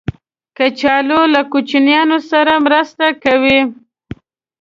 کچالو له کوچنیانو سره مرسته کوي